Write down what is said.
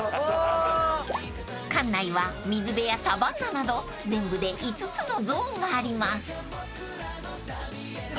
［館内は水辺やサバンナなど全部で５つのゾーンがあります］